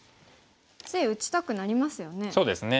つい打ちたくなりますよね。